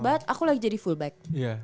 but aku lagi jadi fullback